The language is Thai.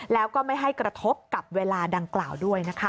แล้วก็ไม่ให้กระทบกับเวลาดังกล่าวด้วยนะคะ